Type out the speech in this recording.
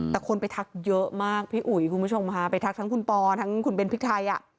แต่คนไปทักเยอะมากพี่อุ๋ยคุณผู้ชมค่ะไปทักทั้งคุณปอทั้งคุณเบนพริกไทยอ่ะ